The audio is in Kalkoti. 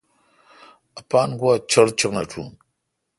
اپان گواچݨ چݨ اٹوُن۔